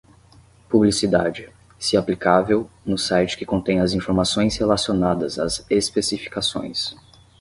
Publicidade: se aplicável, no site que contém as informações relacionadas às especificações.